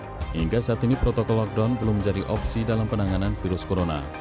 sehingga saat ini protokol lockdown belum menjadi opsi dalam penanganan virus corona